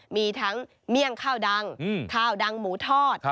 มีทั้งเมี่ยงข้าวดังข้าวดังหมูทอด